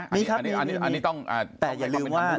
มีครับมีมีมี